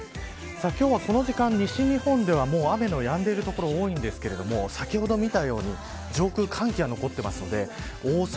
今日はこの時間、西日本では雨のやんでる所が多いんですが先ほど見たように上空、寒気が残っているので大阪